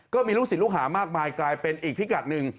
ก็มีลูกศิษย์ลูกหามากมายกลายเป็นอีกพิกัดหนึ่ง